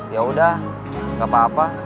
ya udah gak apa apa